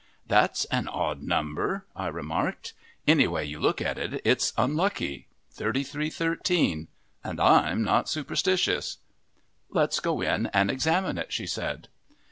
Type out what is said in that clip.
"That's an odd number," I remarked. "Anyway you look at it, it's unlucky 3313. And I'm not superstitious." "Let's go in and examine it," she said.